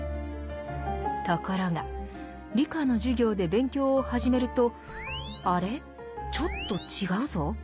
ところが理科の授業で勉強を始めると「あれ？ちょっと違うぞ？」。